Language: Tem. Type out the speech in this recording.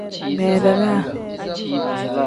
Beredaa.